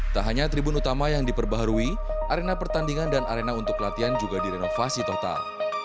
tak hanya tribun utama yang diperbaharui arena pertandingan dan arena untuk latihan juga direnovasi total